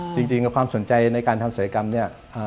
จริงกับความสนใจในการทำศัยกรรมเนี่ย